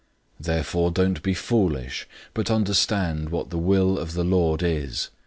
005:017 Therefore don't be foolish, but understand what the will of the Lord is.